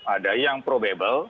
ada yang probable